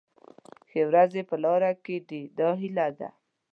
ښې ورځې په لاره کې دي دا هیله ده.